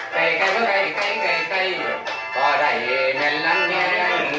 ไกลไกลไกลไกลไกลไกลพอไตเพลงนั้นแยง